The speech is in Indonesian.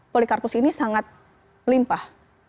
polikarpus ini sangat melimpah